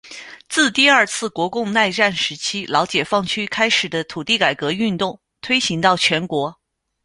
自第二次国共内战时期老解放区开始的土地改革运动推行到全国。